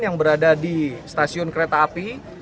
yang berada di stasiun kereta api